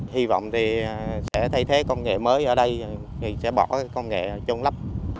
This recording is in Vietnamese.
hy vọng thì sẽ thay thế công nghệ mới ở đây thì sẽ bỏ công nghệ trôn lấp